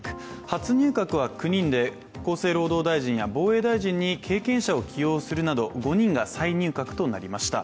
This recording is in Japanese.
初入閣は９人で厚生労働大臣や防衛大臣に経験者を起用するなど５人が再入閣となりました。